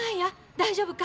大丈夫か？